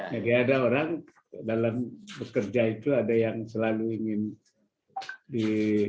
jadi ada orang dalam bekerja itu ada yang selalu ingin di